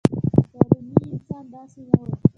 پروني انسان داسې نه و.